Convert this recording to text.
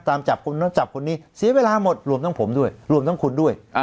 ตามจับคนนู้นจับคนนี้เสียเวลาหมดรวมทั้งผมด้วยรวมทั้งคุณด้วย